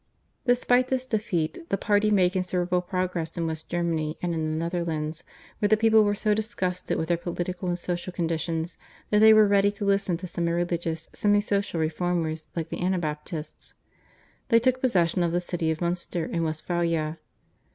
Despite this defeat the party made considerable progress in West Germany and in the Netherlands, where the people were so disgusted with their political and social conditions that they were ready to listen to semi religious, semi social reformers like the Anabaptists. They took possession of the city of Munster in Westphalia.